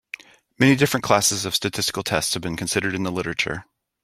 Many different classes of statistical tests have been considered in the literature.